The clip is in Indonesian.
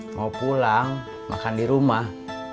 mau pulang makan di rumah